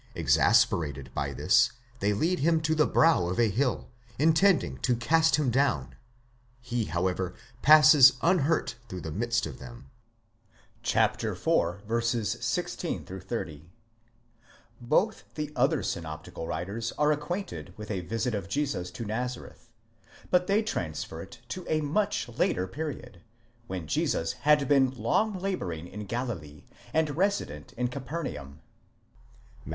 Exasperated by this, they lead him to the brow of the hill, intend ing to cast him down; he, however, passes unhurt through the midst of them (iv. 16 30). Both the other synoptical writers are acquainted with a visit of Jesus to Nazareth ; but they transfer it to a much later period, when Jesus had been long labouring in Galilee, and resident in Capernaum (Matt.